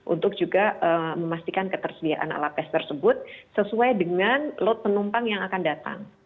untuk juga memastikan ketersediaan alat tes tersebut sesuai dengan load penumpang yang akan datang